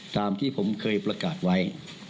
ตามที่ผมเคยประกาศไว้